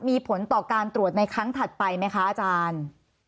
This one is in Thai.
มีผลต่อการตรวจในครั้งถัดไปไหมคะอาจารย์